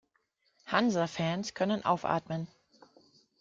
Hansa-Fans können aufatmen.